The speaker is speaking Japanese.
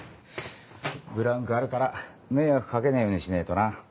ブランクあるから迷惑かけねえようにしねぇとな。